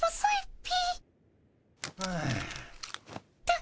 ピ？